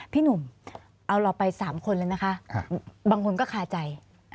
พี่หนุ่มเอาเราไป๓คนเลยนะคะบางคนก็คาใจ